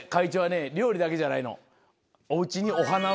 料理だけじゃないのおうちに。